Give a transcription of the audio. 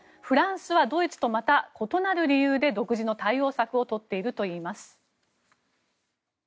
フランスはドイツとまた異なる理由で独自の対応策をとっているといいます。